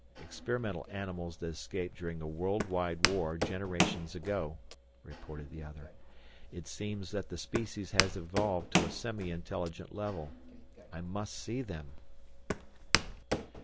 "Experimental animals that escaped during a world wide war generations ago," reported the other. "It seems that the species have evolved to a semi intelligent level. I must see them!"